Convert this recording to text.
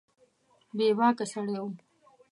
بې باکه سړی و